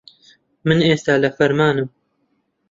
من ئێستا لە فەرمانم.